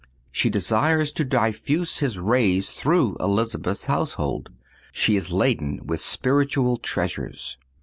She desires to diffuse His rays through Elizabeth's household. She is laden with spiritual treasures.